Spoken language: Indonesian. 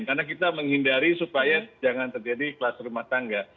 karena kita menghindari supaya jangan terjadi kluster rumah tangga